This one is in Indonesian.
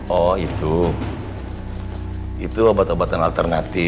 ke altura setelah kamu termasuk pemilu luar nanti